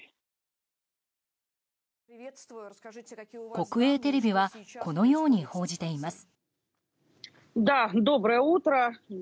国営テレビはこのように報じています。